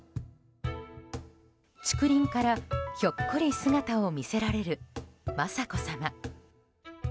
竹林からひょっこり姿を見せられる雅子さま。